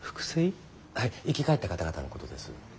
生き返った方々のことです。